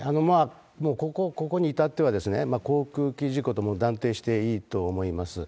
もうここに至っては、航空機事故とも断定していいと思います。